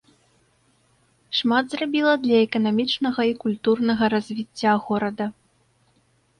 Шмат зрабіла для эканамічнага і культурнага развіцця горада.